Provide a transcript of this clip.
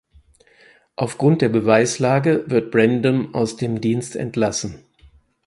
Aufgrund der Beweislage wird Brandon aus dem Dienst entlassen.